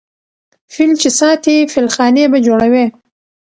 ـ فيل چې ساتې فيلخانې به جوړوې.